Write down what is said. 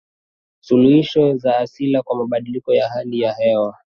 suluhisho za asili kwa mabadiliko ya hali ya hewa